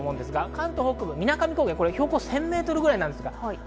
関東北部、水上高原標高１０００メートルぐらいです。